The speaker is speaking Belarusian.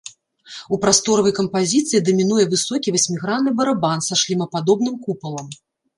У прасторавай кампазіцыі дамінуе высокі васьмігранны барабан са шлемападобным купалам.